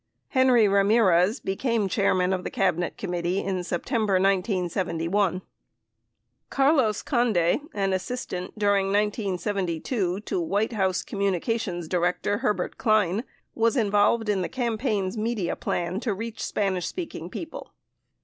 Henry Ramirez became Chairman of the Cabinet Committee in Sep tember 1971. Carlos Conde, an assistant during 1972 to White House Communi cations Director Herbert Klein, was involved in the campaign's media plan to reach Spanish speaking people.